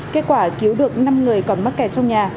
kết quả cứu được năm người còn mắc kẹt trong nhà